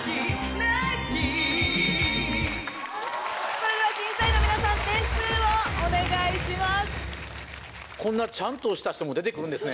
それでは審査員の皆さん点数をお願いします。